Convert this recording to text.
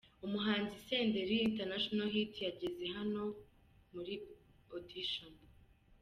Umuhanzi Senderi International Hit yageze hano muri Audi.